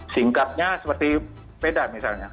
singkatnya seperti sepeda misalnya